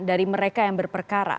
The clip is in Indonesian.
dari mereka yang berperkara